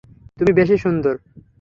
তুমি বেশি সুন্দর।